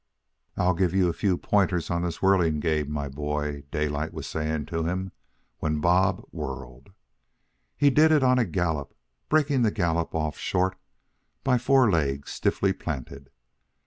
"I'll give you a few pointers on this whirling game, my boy," Daylight was saying to him, when Bob whirled. He did it on a gallop, breaking the gallop off short by fore legs stiffly planted.